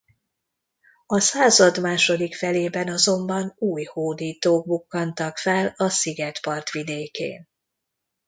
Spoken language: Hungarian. A század második felében azonban új hódítók bukkantak fel a sziget partvidékén.